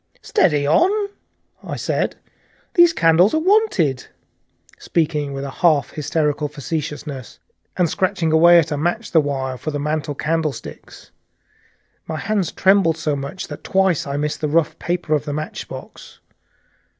"Steady on!" I said, "those candles are wanted," speaking with a half hysterical facetiousness, and scratching away at a match the while, "for the mantel candlesticks." My hands trembled so much that twice I missed the rough paper of the matchbox.